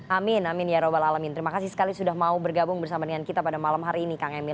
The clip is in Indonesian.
amin amin ya rabbal alamin terima kasih sekali sudah mau bergabung bersama dengan kita pada malam hari ini kang emil